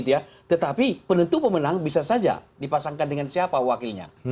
tetapi penentu pemenang bisa saja dipasangkan dengan siapa wakilnya